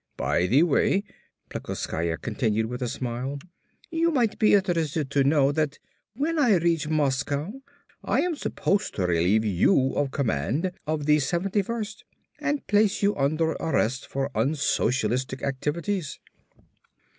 "By the way," Plekoskaya continued with a smile, "you might be interested to know that when I reach Moscow I am supposed to relieve you of command of the 71st and place you under arrest for unsocialistic activities."